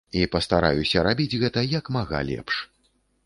І пастараюся рабіць гэта як мага лепш.